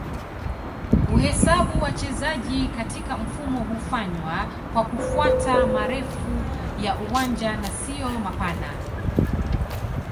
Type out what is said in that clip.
kuhesabu wachezaji katika mfumo hufanywa kwa kufuata marefu ya uwanja na sio mapana